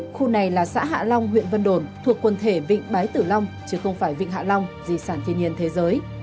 khu này là xã hạ long huyện vân đồn thuộc quần thể vịnh bái tử long chứ không phải vịnh hạ long di sản thiên nhiên thế giới